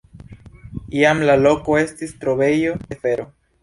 Iam la loko estis trovejo de fero.